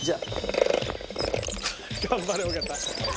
頑張れ尾形。